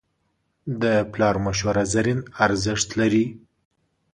د پلار مشوره زرین ارزښت لري.